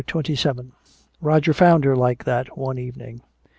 CHAPTER XXVII Roger found her like that one evening.